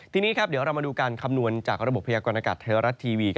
ทีนี้เดี๋ยวเรามาดูการคำนวณจากระบบพยากรณากาศไทยรัฐทีวี